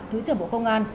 thứ trưởng bộ công an